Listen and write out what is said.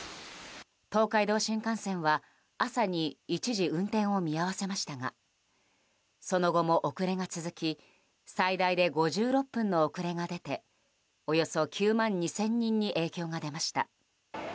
東海道新幹線は朝に一時運転を見合わせましたがその後も遅れが続き最大で５６分の遅れが出ておよそ９万２０００人に影響が出ました。